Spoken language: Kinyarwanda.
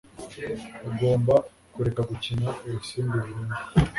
Ugomba kureka gukina urusimbi burundu